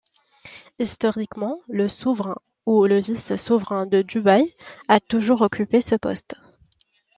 Historiquement, le souverain ou le vice-souverain de Dubaï a toujours occupé ce poste.